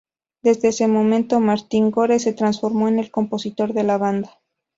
Desde ese momento, Martin Gore se transformó en el compositor de la banda.